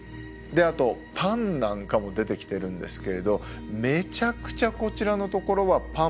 であとパンなんかも出てきてるんですけれどめちゃくちゃこちらのところはパンもカロリーが高いです。